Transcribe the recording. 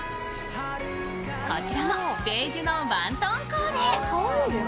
こちらもベージュのワントーンコーデ。